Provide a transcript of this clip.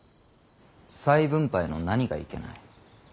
再分配の何がいけない。